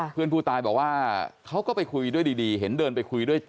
เพื่อนผู้ตายบอกว่าเขาก็ไปคุยด้วยดีเห็นเดินไปคุยด้วย